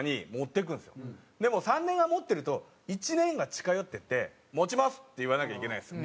でも３年が持っていると１年が近寄っていって「持ちます！」って言わなきゃいけないんですよ。